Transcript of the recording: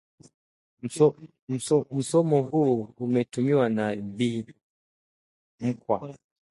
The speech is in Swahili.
Msemo huu umetumiwa na Bi Mkwa